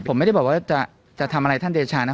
ผมไม่ได้บอกว่าจะทำอะไรท่านเดชานะ